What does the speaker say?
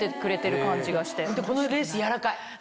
このレース柔らかい！